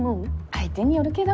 相手によるけど。